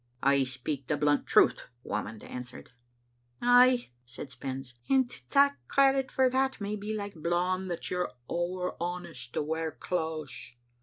"I speak the blunt truth, " Whamond answered. "Ay," said Spens, "and to tak' credit for that may be like blawing that you're ower honest to wear claethes."